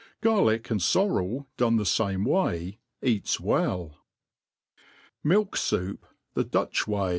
Garlick and forrel done the fame way, eats well* Milk' Soup the biiteh Woj.